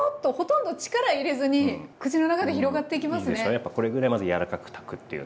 やっぱりこれぐらいまず柔らかく炊くっていうのと。